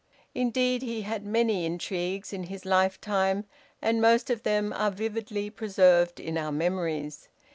Indeed, he had many intrigues in his lifetime, and most of them are vividly preserved in our memories.